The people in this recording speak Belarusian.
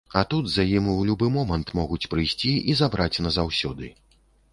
А тут, за ім у любы момант могуць прыйсці і забраць назаўсёды.